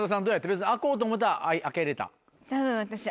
別に開こうと思ったら開けれた？